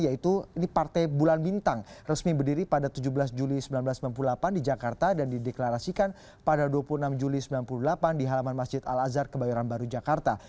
yaitu ini partai bulan bintang resmi berdiri pada tujuh belas juli seribu sembilan ratus sembilan puluh delapan di jakarta dan dideklarasikan pada dua puluh enam juli seribu sembilan ratus sembilan puluh delapan di halaman masjid al azhar kebayoran baru jakarta